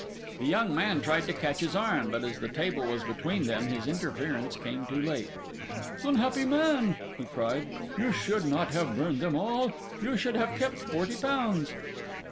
The young man tried to catch his arm, but as the table was between them his interference came too late. "Unhappy man," he cried, "you should not have burned them all! You should have kept forty pounds."